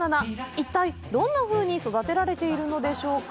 一体どんなふうに育てられているのでしょうか。